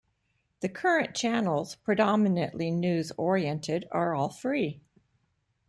The current channels, predominately news-oriented, are all free.